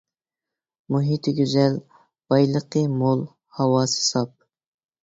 مۇھىتى گۈزەل، بايلىقى مول، ھاۋاسى ساپ.